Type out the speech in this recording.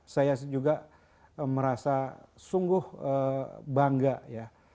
saya juga merasa sungguh bangga ya